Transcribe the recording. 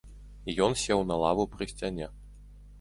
Ён сеў на лаву пры сцяне.